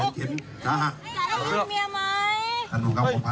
รถพยาบาลครับต่อมา